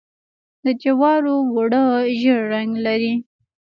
د جوارو اوړه ژیړ رنګ لري.